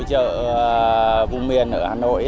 các vùng miền ở hà nội